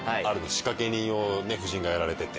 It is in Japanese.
仕掛け人をね夫人がやられてて。